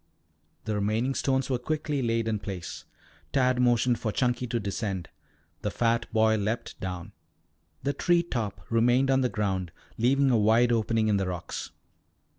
The remaining stones were quickly laid in place. Tad motioned for Chunky to descend. The fat boy leaped down. The tree top remained on the ground leaving a wide opening in the rocks.